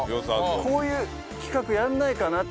こういう企画やらないかなって